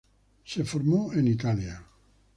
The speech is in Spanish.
Se formó en Italia.